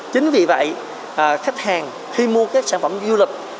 chính vì vậy khách hàng khi mua các sản phẩm du lịch